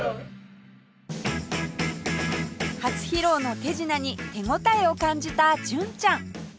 初披露の手品に手応えを感じた純ちゃん